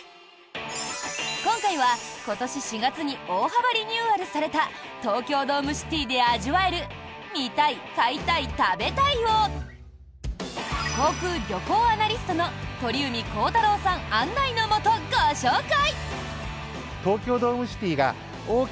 今回は、今年４月に大幅リニューアルされた東京ドームシティで味わえる見たい買いたい食べたいを航空・旅行アナリストの鳥海高太朗さん案内のもとご紹介！